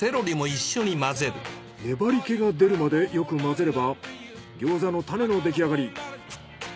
粘り気が出るまでよく混ぜれば餃子のタネの出来上がり。